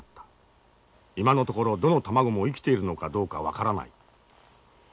今のところどの卵も生きているのかどうか分からない。